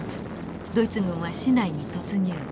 ドイツ軍は市内に突入。